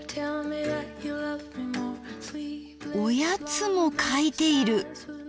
おやつも書いている！